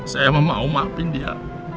saya mau maafin dia